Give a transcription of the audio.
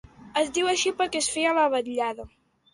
Es diu així perquè es feia a la vetllada.